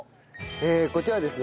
こちらはですね